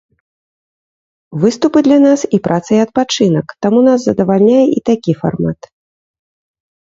Выступы для нас і праца, і адпачынак, таму нас задавальняе і такі фармат.